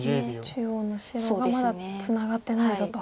中央の白がまだツナがってないぞと。